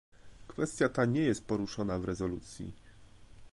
Kwestia ta nie jest poruszona w rezolucji